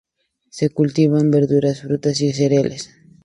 Se cultivan verduras, frutas y cereales.